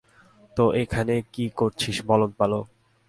তো এখানে কি করছিস বলদ বালক?